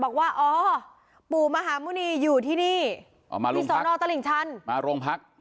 บอกว่าอ๋อปู่มหาหมุนีอยู่ที่นี่อ๋อมาโรงพักมีสอนอตะลิ่งชันมาโรงพัก